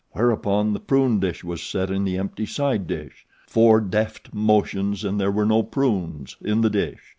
Whereupon the prune dish was set in the empty side dish four deft motions and there were no prunes in the dish.